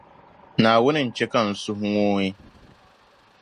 Naawuni n-chɛ ka n suhu ŋooi.